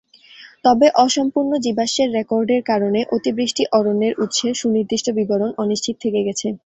তবে অসম্পূর্ণ জীবাশ্মের রেকর্ডের কারণে অতিবৃষ্টি অরণ্যের উৎসের সুনির্দিষ্ট বিবরণ অনিশ্চিত থেকে গেছে।